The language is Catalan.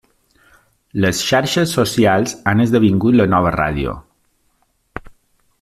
Les xarxes socials han esdevingut la nova ràdio.